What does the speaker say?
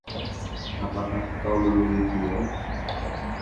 Apakah kau memilikinya?